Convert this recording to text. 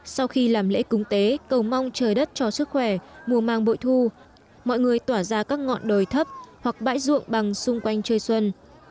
sau khi làm lễ cúng tế cầu mong trời đất cho sức khỏe mùa mang bội thu mọi người tỏa ra các ngọn đồi thấp hoặc bãi ruộng bằng xung quanh chơi xuân